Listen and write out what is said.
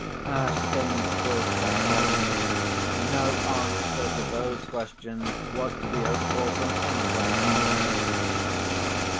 As things stood, at present, no answer to those questions was to be hoped for from anybody in the house.